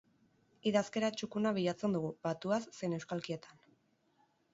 Idazkera txukuna bilatzen dugu, batuaz zein euskalkietan.